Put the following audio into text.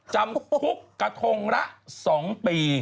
จำคุกกระทงละ๒ปี